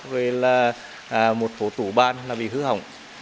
rồi là một phố tủ ban bị hư hỏng